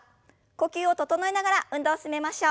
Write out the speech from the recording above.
呼吸を整えながら運動を進めましょう。